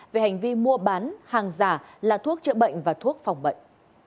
về hành vi mua bán hàng giả là thuốc chữa bệnh và thuốc phòng bệnh